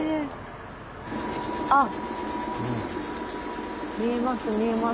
あっ見えます